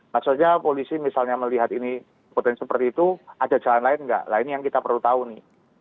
maksudnya polisi misalnya melihat ini potensi seperti itu ada jalan lain nggak lah ini yang kita perlu tahu nih